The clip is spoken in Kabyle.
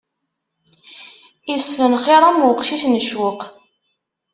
Isfenxiṛ am uqcic n ccuq.